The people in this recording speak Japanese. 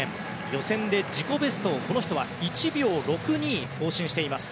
予選で自己ベストをこの人は１秒６２更新しています。